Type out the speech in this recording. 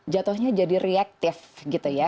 jatuhnya jadi reaktif gitu ya